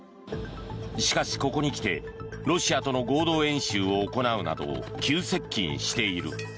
しかし、ここに来てロシアとの合同演習を行うなど急接近している。